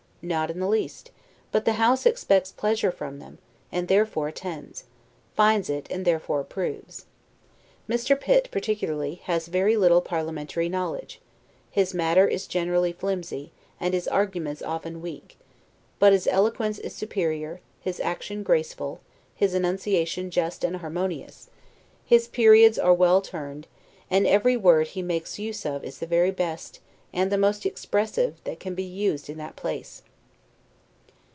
Not, in the least: but the House expects pleasure from them, and therefore attends; finds it, and therefore approves. Mr. Pitt, particularly, has very little parliamentary knowledge; his matter is generally flimsy, and his arguments often weak; but his eloquence is superior, his action graceful, his enunciation just and harmonious; his periods are well turned, and every word he makes use of is the very best, and the most expressive, that can be used in that place.